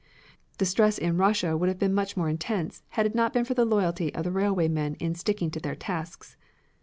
Distress in Russia would have been much more intense had it not been for the loyalty of the railway men in sticking to their tasks.